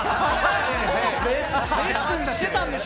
レッスンしてたんでしょ？